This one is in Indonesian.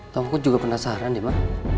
tamu kok juga penasaran ya ma